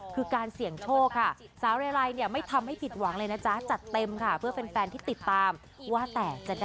เลขอะไรจับตาดูดีค่ะห้ามเข้าที่ป่าเลย